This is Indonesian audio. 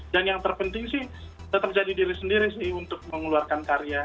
dan yang terpenting sih tetap jadi diri sendiri sih untuk mengeluarkan karya